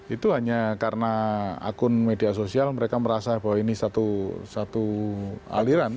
itu hanya karena akun media sosial mereka merasa bahwa ini satu aliran